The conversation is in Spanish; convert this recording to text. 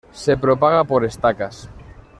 Se propaga por estacas.